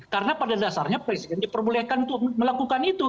karena pada dasarnya presiden diperbolehkan untuk melakukan itu